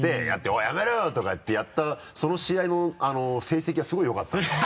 「おいやめろよ！」とか言ってやったその試合の成績がすごいよかったのよ。